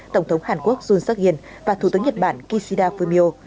tổng thống hàn quốc jun seok in và thủ tướng nhật bản kishida fumio